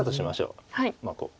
まあこう。